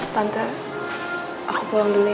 tante aku pulang dulu